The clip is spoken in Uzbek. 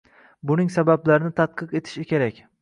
Buning sabablarini tadqiq etish kerak.